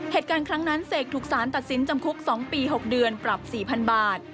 เหตุการณ์ครั้งนั้นเสกถูกสารตัดสินจำคุก๒ปี๖เดือนปรับ๔๐๐๐บาท